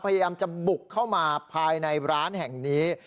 พยายามจะบุกเข้ามาภายในร้านแห่งนี้